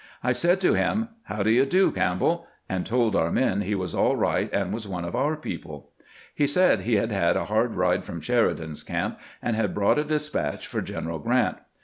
I said to him, " How do you do, Camp bell?" and told our men he was all right, and was one of our people. He said he had had a hard ride from Sheridan's camp, and had brought a despatch for G en eral Grrant.